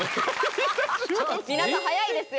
皆さん早いですよ